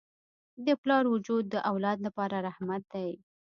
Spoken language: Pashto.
د پلار وجود د اولاد لپاره رحمت دی.